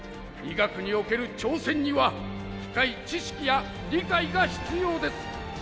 医学における挑戦には深い知識や理解が必要です。